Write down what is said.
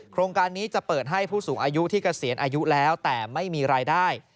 โครงการนี้จะเปิดให้ผู้สูงอายุที่เกษียณอายุแล้วแต่ไม่มีรายได้